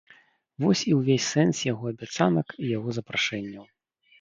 Вось і ўвесь сэнс яго абяцанак і яго запрашэнняў.